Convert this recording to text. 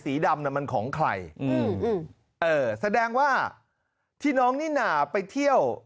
ดำน่ะมันของใครอืมเออแสดงว่าที่น้องนิน่าไปเที่ยว